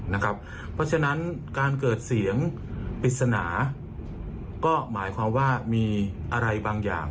เพราะฉะนั้นการเกิดเสียงปริศนาก็หมายความว่ามีอะไรบางอย่าง